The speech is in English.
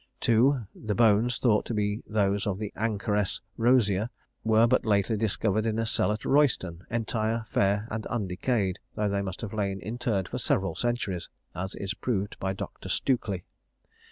"2. The bones thought to be those of the anchoress Rosia were but lately discovered in a cell at Royston, entire, fair, and undecayed, though they must have lain interred for several centuries; as is proved by Dr. Stukely.